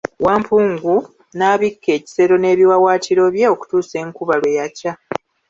Wampungu n'abikka ekisero n'ebiwawaatiro bye okutuusa enkuba lwe yakya.